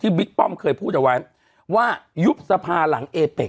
บิ๊กป้อมเคยพูดเอาไว้ว่ายุบสภาหลังเอเป็ก